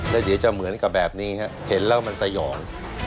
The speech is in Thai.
แล้วเดี๋ยวจะเหมือนกับแบบนี้ครับเห็นแล้วมันสยอง